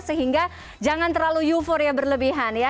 sehingga jangan terlalu euforia berlebihan ya